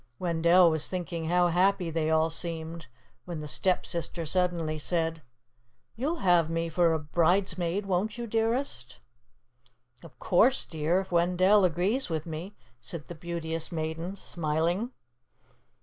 Wendell was thinking how happy they all seemed, when the Stepsister suddenly said, "You'll have me for bridesmaid, won't you, dearest?" "Of course, dear, if Wendell agrees with me," said the Beauteous Maiden, smiling.